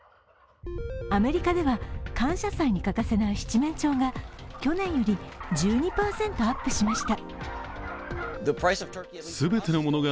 アメリカでは感謝祭に欠かせない七面鳥が去年より１２％アップしました。